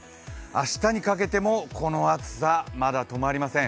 明日にかけても、この暑さまだ止まりません。